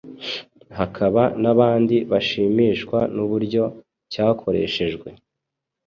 hakaba n’abandi bashimishwa n’uburyo cyakoreshejwe